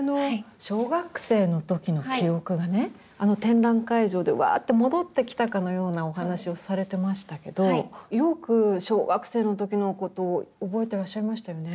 小学生の時の記憶がねあの展覧会場でわあって戻ってきたかのようなお話をされてましたけどよく小学生の時のことを覚えてらっしゃいましたよね。